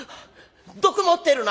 『毒持ってるな？』。